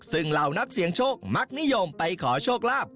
ซึ่งเหล่านักเสียงโชคมักนิยมไปขอโชคลาภ